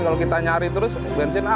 kalau kita nyari terus bensin